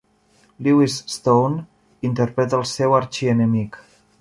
Lewis Stone interpreta el seu arxienemic.